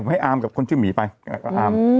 ผมให้อาร์มกับคนชื่อหมีไปก็อาร์ม